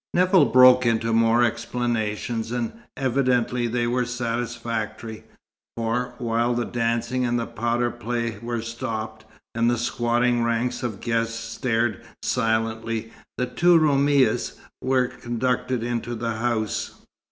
Nevill broke into more explanations, and evidently they were satisfactory, for, while the dancing and the powder play were stopped, and the squatting ranks of guests stared silently, the two Roumis were conducted into the house.